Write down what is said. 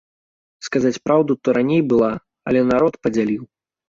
Сказаць праўду, то раней была, але народ падзяліў.